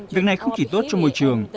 việc này không chỉ tốt cho môi trường